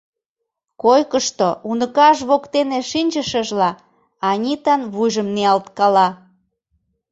Койкышто уныкаж воктене шинчышыжла, Анитан вуйжым ниялткала.